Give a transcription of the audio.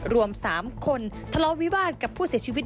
รวม๓คนทะเลาะวิวาสกับผู้เสียชีวิต